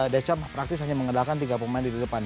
desam praktis hanya mengedalkan tiga pemain di depan